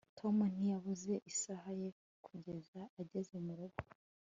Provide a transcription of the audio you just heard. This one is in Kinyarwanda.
tom ntiyabuze isaha ye kugeza ageze murugo